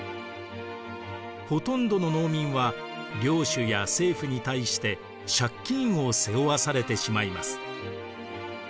ほとんどの農民は領主や政府に対して借金を背負わされてしまいます。